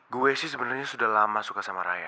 gue sih sebenarnya sudah lama suka sama raya